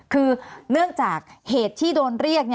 คือเนื่องจากเหตุที่โดนเรียก